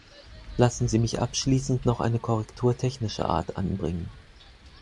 Lassen Sie mich abschließend noch eine Korrektur technischer Art anbringen.